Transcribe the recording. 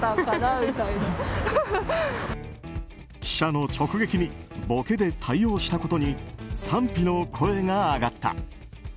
記者の直撃にボケで対応したことに賛否の声が上がった。